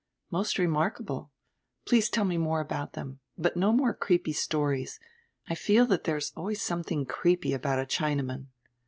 "Most remarkable. Please tell me more about diem. But no more creepy stories. I feel that there is always some tiling creepy ahout a Chinaman."